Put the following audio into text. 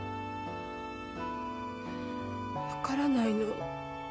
分からないの。